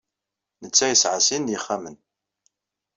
Netta yesɛa sin n yixxamen.